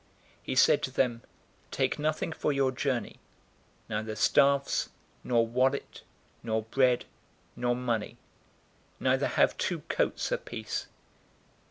009:003 He said to them, "Take nothing for your journey neither staffs, nor wallet, nor bread, nor money; neither have two coats apiece.